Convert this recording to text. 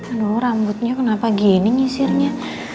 aduh rambutnya kenapa gini ngisirnya